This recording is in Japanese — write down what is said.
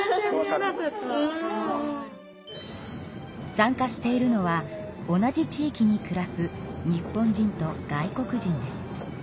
参加しているのは同じ地域に暮らす日本人と外国人です。